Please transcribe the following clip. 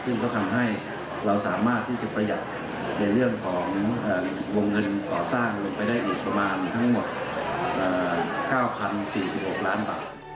ซึ่งก็ทำให้เราสามารถที่จะประหยัดในเรื่องของวงเงินก่อสร้างลงไปได้อีกประมาณทั้งหมด๙๐๔๖ล้านบาท